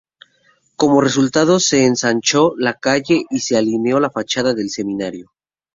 Como resultado se ensanchó la calle y se alineó la fachada del Seminario.